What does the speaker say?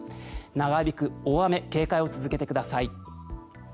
長引く大雨警戒を続けてください。